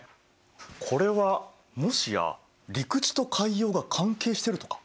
これはもしや陸地と海洋が関係してるとか？